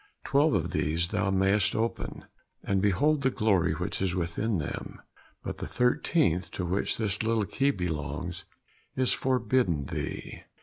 Twelve of these thou mayest open, and behold the glory which is within them, but the thirteenth, to which this little key belongs, is forbidden thee.